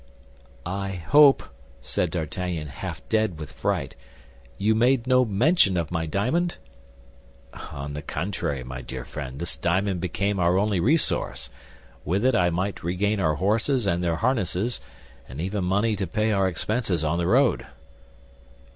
"I hope," said D'Artagnan, half dead with fright, "you made no mention of my diamond?" "On the contrary, my dear friend, this diamond became our only resource; with it I might regain our horses and their harnesses, and even money to pay our expenses on the road."